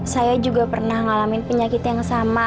saya juga pernah mengalami penyakit yang sama